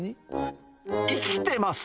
生きてます？